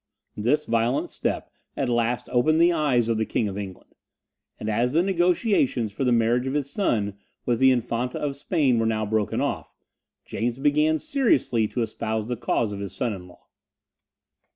This violent step at last opened the eyes of the King of England; and as the negociations for the marriage of his son with the Infanta of Spain were now broken off, James began seriously to espouse the cause of his son in law.